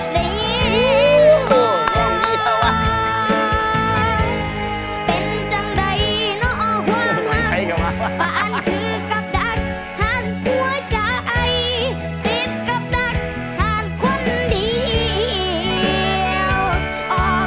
นั่งห้องน้องอ่อนให้อ่อนสงสารใจเจ้าคว้างน้องบ่เคยม้ำอางสาว